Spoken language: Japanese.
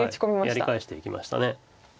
黒もやり返していきました。